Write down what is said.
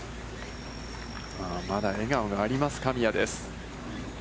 まだ笑顔があります、神谷です。